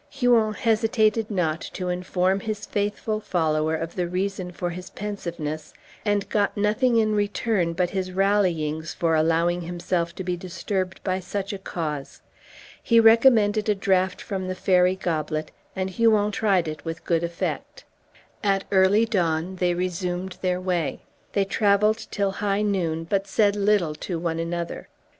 Huon hesitated not to inform his faithful follower of the reason of his pensiveness; and got nothing in return but his rallyings for allowing himself to be disturbed by such a cause. He recommended a draught from the fairy goblet, and Huon tried it with good effect. At early dawn they resumed their way. They travelled till high noon, but said little to one another.